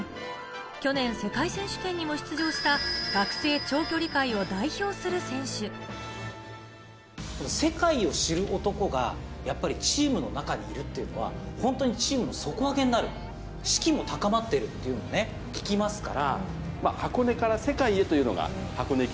去年、世界選手権にも出場した、この世界を知る男が、やっぱりチームの中にいるというのは、本当にチームの底上げになる、士気も高まっていうというのを聞きますから。